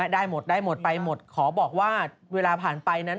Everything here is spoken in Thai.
ได้หมดได้หมดไปหมดขอบอกว่าเวลาผ่านไปนั้น